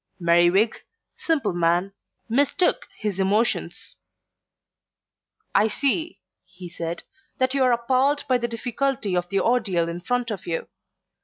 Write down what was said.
Merriwig, simple man, mistook his emotions. "I see," he said, "that you are appalled by the difficulty of the ordeal in front of you.